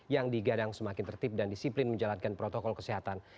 yang digadang semakin tertib dan disiplin menjalankan protokol kesehatan